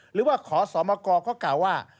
หรือว่าขอสมกก็กล่าวว่า